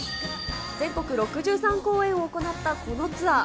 全国６３公演を行ったこのツアー。